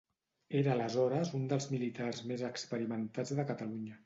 Era aleshores un dels militars més experimentats de Catalunya.